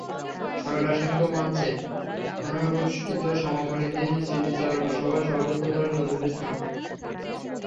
সরলা সিংহ মঞ্চে অনুষ্ঠিত সমাপনী দিনে স্মৃতিচারণা সভায় সভাপতিত্ব করেন নজরুল ইসলাম।